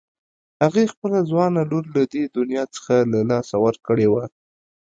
هغې خپله ځوانه لور له دې دنيا څخه له لاسه ورکړې وه.